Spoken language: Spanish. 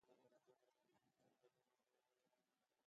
Esta obra se encuentra en la actualidad en el Meadows Museum de Dallas.